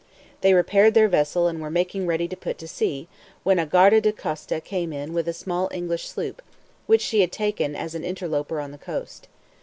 They repaired their vessel, and were making ready to put to sea, when a guarda de costa came in with a small English sloop, which she had taken as an interloper on the coast.